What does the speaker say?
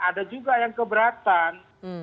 ada juga yang keberatan